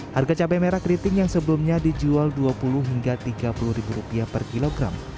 harga cabai merah keriting yang sebelumnya dijual rp dua puluh hingga rp tiga puluh per kilogram